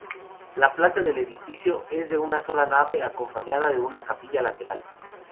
La planta del edificio es de una sola nave acompañada de una capilla lateral.